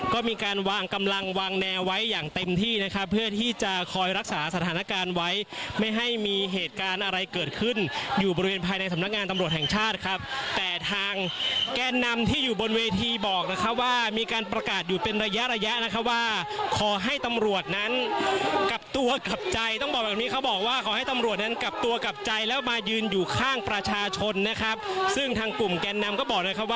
กำลังวางแนวไว้อย่างเต็มที่นะครับเพื่อที่จะคอยรักษาสถานการณ์ไว้ไม่ให้มีเหตุการณ์อะไรเกิดขึ้นอยู่บริเวณภายในสำนักงานตำรวจแห่งชาติครับแต่ทางแก้นนำที่อยู่บนเวทีบอกนะครับว่ามีการประกาศอยู่เป็นระยะระยะนะครับว่าขอให้ตำรวจนั้นกลับตัวกลับใจต้องบอกแบบนี้เขาบอกว่าขอให้ตำรวจนั้นกลับ